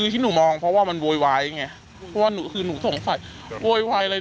ที่หนูมองว่ามันโว๋ยวายเพราะหนูสงสัญโดยวายเลย